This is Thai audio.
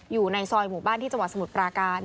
อยู่ในซอยหมู่บ้านที่จังหวัดสมุทรปราการ